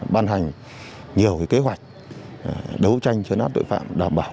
ban hành nhiều kế hoạch đấu tranh chống tội phạm